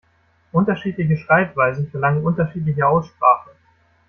Unterschiedliche Schreibweisen verlangen unterschiedliche Aussprache.